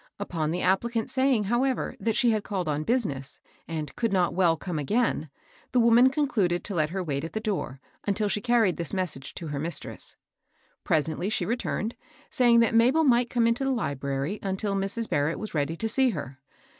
Upon the applicant say ing, however, that she had called on business, and could not well come again, the woman concluded (804) ARISTOCRACY. 305 to let her wait at the door until she carried this message to her mistress. Presently she returned, saying that Mabel might come into the library until Mrs. Barrett was ready to see her.